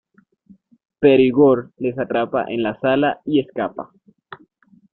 Pero Igor les atrapa en la sala y escapa.